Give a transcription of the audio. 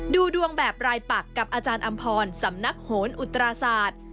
ดูดวงแบบรายปักกับอาจารย์อำพรสำนักโหนอุตราศาสตร์